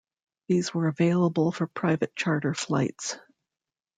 These were available for private charter flights.